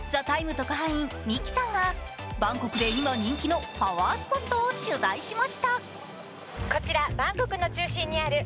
特派員ＭＩＫＩさんが、バンコクで今人気のパワースポットを取材しました。